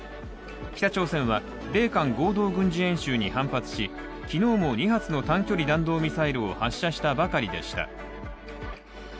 北朝鮮は米韓合同軍事演習に反発し昨日も２発の短距離弾道ミサイルを発射したばかりでした。